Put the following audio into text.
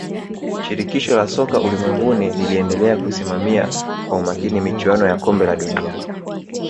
shirikisho la soka ulimwenguni liliendelea kusimamia kwa umakini michuano ya kombe la dunia